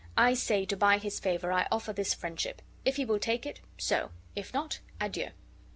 I say, to buy his favor I offer this friendship: if he will take it, so; if not, adieu."